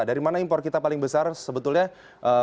dari mana impor kita paling besar sebetulnya